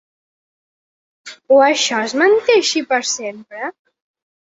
O això és manté així per sempre?